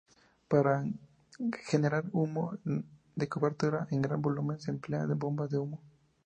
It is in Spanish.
Para generar humo de cobertura en gran volumen, se emplean bombas de humo.